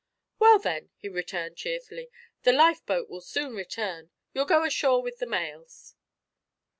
"Well, then," he returned, cheerfully, "the lifeboat will soon return; you'll go ashore with the mails."